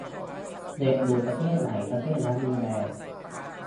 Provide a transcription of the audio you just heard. "เด็กอยู่ประเทศไหน ประเทศนั้นดูแล"